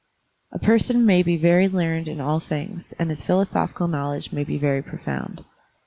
A person may be very learned in all things, and his philosophical knowledge may be very profound.